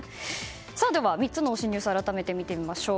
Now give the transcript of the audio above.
では３つの推しニュース改めて見ていきましょう。